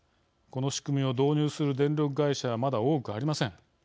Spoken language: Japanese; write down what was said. この仕組みを導入する電力会社はまだ多くありません。